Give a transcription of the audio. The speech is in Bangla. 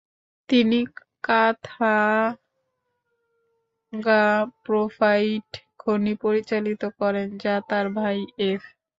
তিনি কাহতাগাহ গ্রাফাইট খনি পরিচালিত করেন যা তার ভাই এফ।